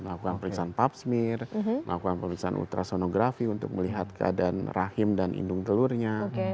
melakukan periksaan pap smear melakukan periksaan ultrasonografi untuk melihat keadaan rahim dan indung telurnya